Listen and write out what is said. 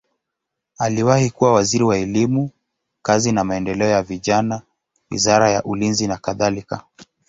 Aliwahi kuwa waziri wa elimu, kazi na maendeleo ya vijana, wizara ya ulinzi nakadhalika.